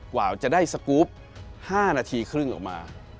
กว่าจะได้สกรูป๕นาทีครึ่งออกมา